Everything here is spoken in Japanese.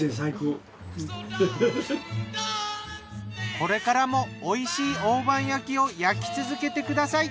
これからもおいしい大判焼きを焼き続けてください。